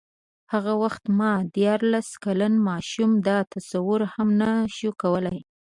هغه وخت ما دیارلس کلن ماشوم دا تصور هم نه شو کولای.